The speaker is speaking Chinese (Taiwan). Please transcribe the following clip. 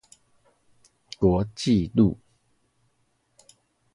國際路